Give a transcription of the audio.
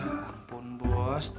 ya ampun bos